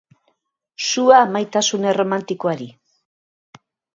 Sua maitasun erromantikoari.